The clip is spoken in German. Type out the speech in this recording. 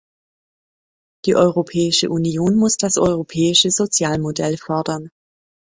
Die Europäische Union muss das europäische Sozialmodell fördern.